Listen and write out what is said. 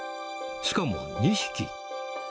しかも２匹。